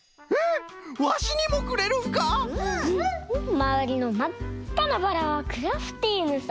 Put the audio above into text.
まわりのまっかなバラはクラフティーヌさん。